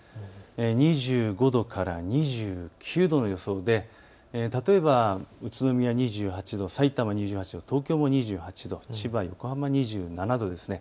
２５度から２９度の予想で例えば宇都宮２８度、さいたま２８度、東京も２８度、千葉、横浜、２７度です。